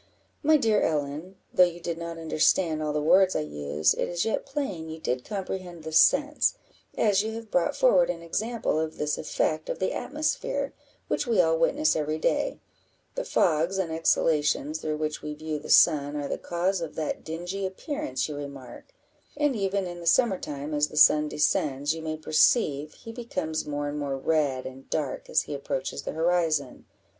"My dear Ellen, though you did not understand all the words I used, it is yet plain you did comprehend the sense, as you have brought forward an example of this effect of the atmosphere, which we all witness every day; the fogs and exhalations through which we view the sun are the cause of that dingy appearance you remark: and even in the summer time, as the sun descends, you may perceive he becomes more and more red and dark as he approaches the horizon.